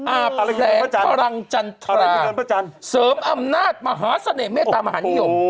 แสงพลังจันทรเสริมอำนาจมหาเสน่หมเมตตามหานิยม